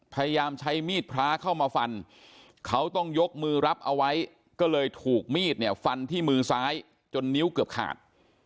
พยายามใช้มีดพระเข้ามาฟันเขาต้องยกมือรับเอาไว้ก็เลยถูกมีดเนี่ยฟันที่มือซ้ายจนนิ้วเกือบขาด